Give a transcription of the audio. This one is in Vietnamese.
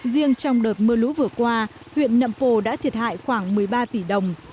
riêng trong đợt mưa lũ vừa qua huyện nậm pồ đã thiệt hại khoảng một mươi ba tỷ đồng